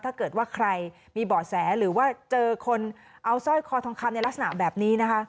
ถ้าเกิดว่าใครมีเบาะแสหรือว่าเจอคนเอาสร้อยคอทองคำในลักษณะแบบนี้นะคะ